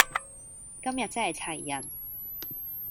今日真係齊人